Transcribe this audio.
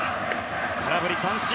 空振り三振！